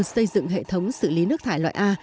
xây dựng hệ thống xử lý nước thải loại a